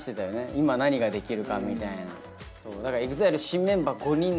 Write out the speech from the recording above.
いま何ができるかみたいな。